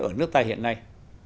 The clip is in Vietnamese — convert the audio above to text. ở nước ta hiện nay